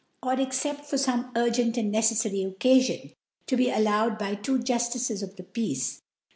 or except for f(5me urgent and neceffary Occafion, to be allowed by two Juftices of tJie Peace) fhall * Jac, I.